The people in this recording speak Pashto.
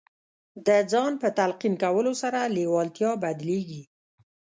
د ځان په تلقین کولو سره لېوالتیا بدلېږي